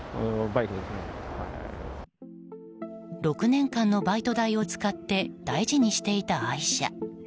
６年間のバイト代を使って大事にしていた愛車。